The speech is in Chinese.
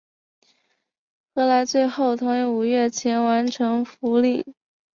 何来最后同意五月前完成服务令。